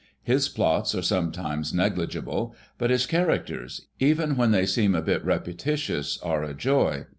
His plots are sometimes negli gible, but his characters, even when they seem a bit repetitious, are a joy.